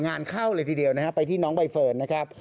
งานเข้าเลยทีเดียวนะครับไปที่น้องใบเฟิร์นนะครับ